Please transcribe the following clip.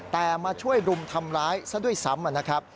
แต่มาช่วยรุมทำร้ายซะด้วยซ้ำนะครับ